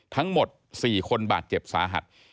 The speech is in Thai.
ทั้งหมด๔คนบาดเจ็บสาหัส